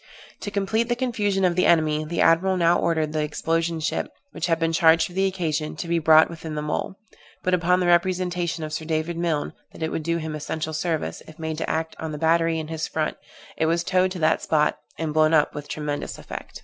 To complete the confusion of the enemy, the admiral now ordered the explosion ship, which had been charged for the occasion, to be brought within the mole; but upon the representation of Sir David Milne that it would do him essential service, if made to act on the battery in his front, it was towed to that spot, and blown up with tremendous effect.